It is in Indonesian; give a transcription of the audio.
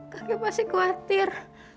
kakek pasti khawatir